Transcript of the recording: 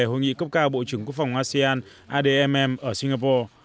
hội nghị cấp cao bộ trưởng quốc phòng asean admm ở singapore